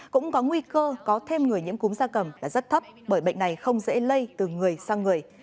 cũng có nguy cơ có thêm người nhiễm cúng gia tầm là rất thấp bởi bệnh này không dễ lây từ người sang người